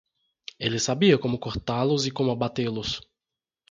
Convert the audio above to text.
Ele sabia como cortá-los e como abatê-los.